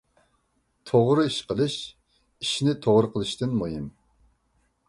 توغرا ئىش قىلىش ئىشنى توغرا قىلىشتىن مۇھىم.